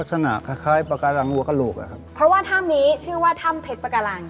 ลักษณะคล้ายคล้ายปากการังวัวกระโหลกอะครับเพราะว่าถ้ำนี้ชื่อว่าถ้ำเพชรปากาลัง